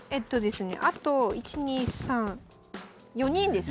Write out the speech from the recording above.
あと１２３４人ですかね。